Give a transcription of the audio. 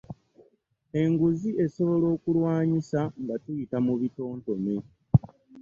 enguzi esobola okulwanyisa nga tuyita mu bitontome .